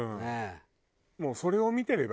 もうそれを見てればいい。